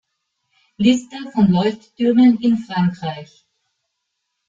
Liste von Leuchttürmen in Frankreich